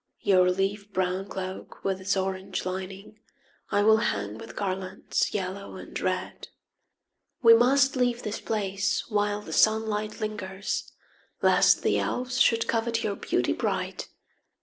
Your leaf brown cloak with its orange lining I will hang with garlands yellow and red. We must leave this place while the sunlight lingers Lest the elves should covet your beauty bright.